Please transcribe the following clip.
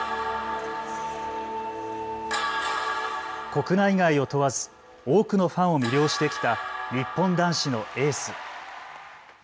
国内外を問わず多くのファンを魅了してきた日本男子のエース。